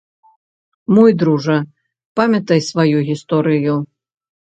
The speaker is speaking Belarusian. Мой дружа, памятай сваю гісторыю.